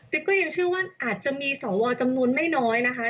ก็ยังเชื่อว่าอาจจะมีสวจำนวนไม่น้อยนะคะ